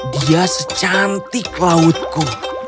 dia secantik lautku